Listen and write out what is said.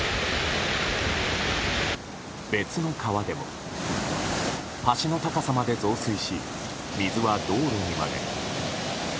別の川でも、橋の高さまで増水し水は道路にまで。